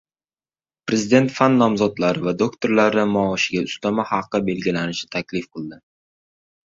Prezident fan nomzodlari va doktorlari maoshiga ustama haqi belgilashni taklif qildi